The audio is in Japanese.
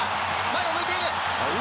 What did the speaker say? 前を向いている。